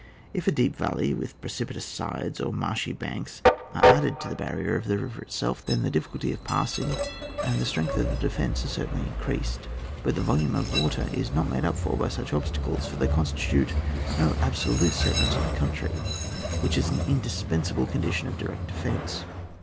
If a deep valley with precipitous sides or marshy banks, are added to the barrier of the river itself, then U^e difficulty of ptussing and the strength of the defence are certainly increased; but the 'Volume of water is not made up for by such obstacles, for they constitute no absolute severance of the country, which is an indispensahk condition of direct defence.